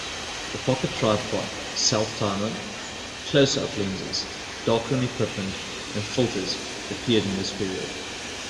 A pocket tripod, self-timer, close-up lenses, darkroom equipment and filters appeared in this period.